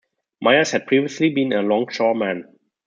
Myers had previously been a longshoreman.